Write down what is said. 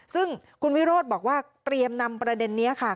ซึ่งคุณวิโรธบอกว่าเตรียมนำประเด็นนี้ค่ะ